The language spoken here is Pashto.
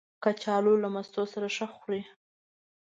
کچالو له مستو سره ښه خوري